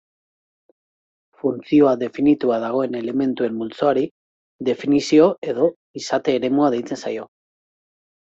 Funtzioa definitua dagoen elementuen multzoari definizio- edo izate-eremua deitzen zaio.